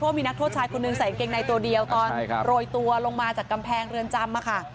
คนหนึ่งใส่เกงในตัวเดียวตอนโรยตัวลงมาจากกำแพงเรือนจำ